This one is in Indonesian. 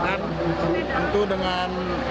dan tentu dengan